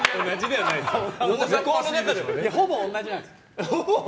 ほぼ同じなんです。